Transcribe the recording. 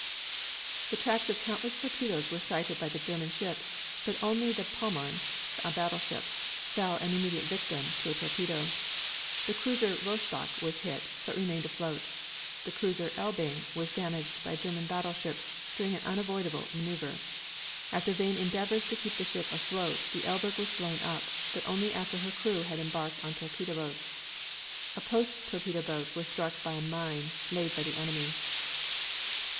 The tracks of countless torpedoes were sighted by the German ships, but only the Pommern (a battleship) fell an immediate victim to a torpedo. The cruiser Rostock was hit, but remained afloat. The cruiser Elbing was damaged by a German battleship during an unavoidable maneuver. After vain endeavors to keep the ship afloat the Elbing was blown up, but only after her crew had embarked on torpedo boats. A post torpedo boat was struck by a mine laid by the enemy.